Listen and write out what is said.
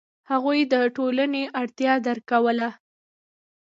هغوی د ټولنې اړتیا درک کوله.